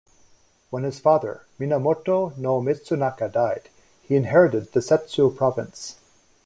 When his father Minamoto no Mitsunaka died, he inherited Settsu Province.